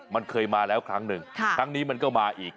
มันเคยมาแล้วครั้งหนึ่งครั้งนี้มันก็มาอีก